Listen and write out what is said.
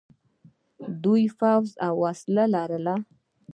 دوی پوځ او وسلې لري.